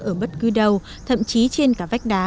ở bất cứ đâu thậm chí trên cả vách đá